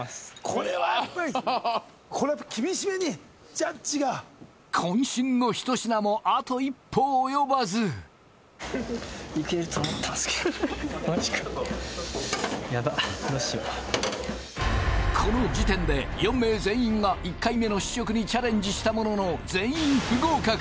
これはやっぱりこれ厳しめにジャッジがこん身のひと品もあと一歩及ばずこの時点で４名全員が１回目の試食にチャレンジしたものの全員不合格